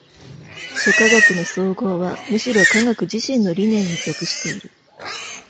諸科学の綜合はむしろ科学自身の理念に属している。